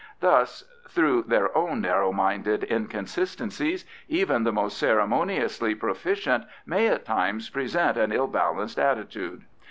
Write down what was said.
Thus, through their own narrow minded inconsistencies, even the most ceremoniously proficient may at times present an ill balanced attitude.